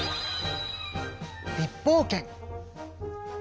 立法権。